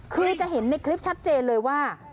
คือจะเห็นในคลิปชัดเจนเลยว่า